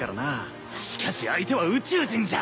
しかし相手は宇宙人じゃ。